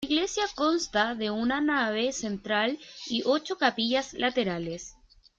La iglesia consta de una nave central y ocho capillas laterales.